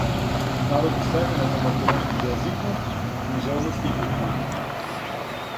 Међународни семинар о македонском језику, књижевности и култури.